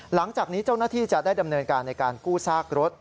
หลังจากนี้เจ้าหน้าที่จะได้ดำเนินการในการกู้ซากรถ